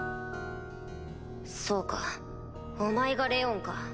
そうかお前がレオンか。